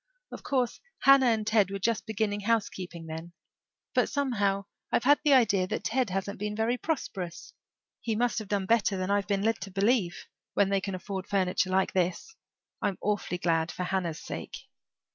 Of course Hannah and Ted were just beginning housekeeping then. But somehow I've had the idea that Ted hasn't been very prosperous. He must have done better than I've been led to believe, when they can afford furniture like this. I'm awfully glad for Hannah's sake."